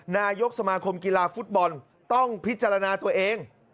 นายกสมาคมกีฬาฟุตบอลต้องพิจารณาตัวเอง